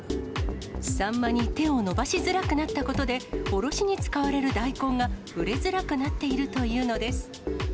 サンマに手を伸ばしづらくなったことで、おろしに使われる大根が売れづらくなっているというのです。